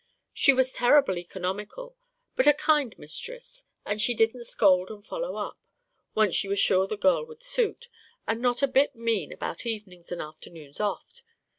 She was terrible economical but a kind mistress, as she didn't scold and follow up, once she was sure the girl would suit, and not a bit mean about evenings and afternoons off.